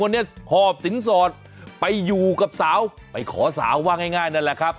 เนี่ยหอบสินสอดไปอยู่กับสาวไปขอสาวว่าง่ายนั่นแหละครับ